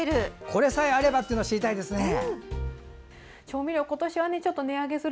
これさえあればというもの知りたいですね。